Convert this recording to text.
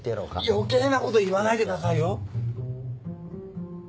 余計なこと言わないでくださいよ。